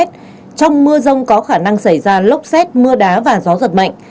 trong mưa rông có khả năng xảy ra lốc xét mưa đá và gió giật mạnh